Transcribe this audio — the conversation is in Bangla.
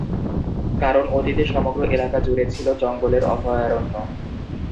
কারণ অতীতে সমগ্র এলাকা জুড়ে ছিল জঙ্গলের অভয়ারণ্য।